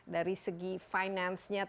dari segi finance nya